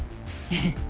ええ。